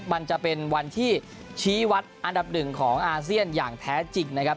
มันจะเป็นวันที่ชี้วัดอันดับหนึ่งของอาเซียนอย่างแท้จริงนะครับ